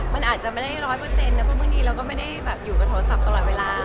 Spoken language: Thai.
มันอาจจะไม่ได้วะได้อยู่กับโทรศัพท์ตลอดเวลา